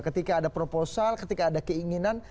ketika ada proposal ketika ada keinginan